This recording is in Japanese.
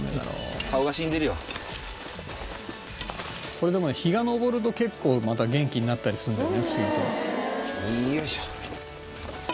「これでも日が昇ると結構また元気になったりするんだよね不思議と」よいしょ！